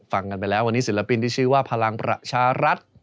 ฟังกันไปแล้ววันนี้ศิลปินที่ชื่อว่าพลังประชารัฐ